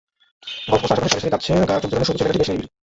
Golf কোর্সের আশপাশে সারি সারি গাছে চোখজুড়ানো সবুজ এলাকাটি বেশ নিরিবিলি।